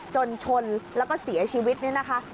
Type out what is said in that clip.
จนชนแล้วก็เสียชีวิตนี่นะคะ